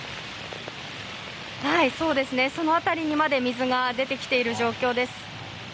その辺りにまで水が出てきている状況です。